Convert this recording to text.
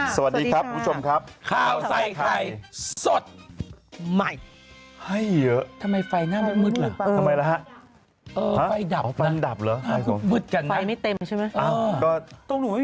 สวัสดีครับคุณผู้ชมครับข้าวใส่ไข่สดใหม่ให้เยอะทำไมไฟหน้ามันมืดล่ะทำไมล่ะฮะ